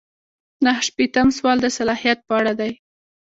نهه شپیتم سوال د صلاحیت په اړه دی.